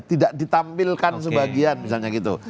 tidak ditampilkan sebagian misalnya gitu